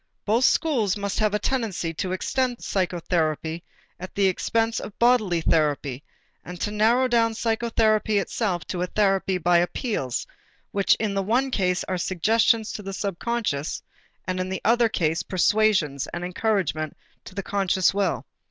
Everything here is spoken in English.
Both schools must have the tendency to extend psychotherapy at the expense of bodily therapy and to narrow down psychotherapy itself to a therapy by appeals which in the one case are suggestions to the subconscious and in the other case persuasions and encouragements to the conscious will.